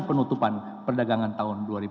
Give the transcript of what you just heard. penutupan perdagangan tahun dua ribu enam belas